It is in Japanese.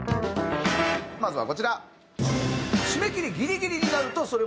まずはこちら。